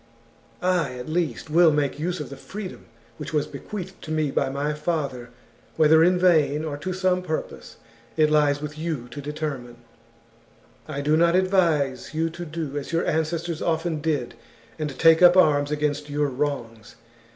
I, at least, will make use of the freedom which was bequeathed to me by my father, whether in vain or to some purpose it lies with you to determine. " I do not advise you to do as your ancestors often did, and take up arms against your wrongs.